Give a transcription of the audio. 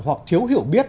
hoặc thiếu hiểu biết